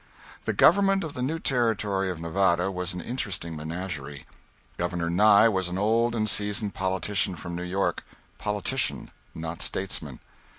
The Government of the new Territory of Nevada was an interesting menagerie. Governor Nye was an old and seasoned politician from New York politician, not statesman.